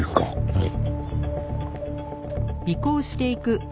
はい。